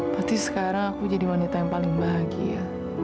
pasti sekarang aku jadi wanita yang paling bahagia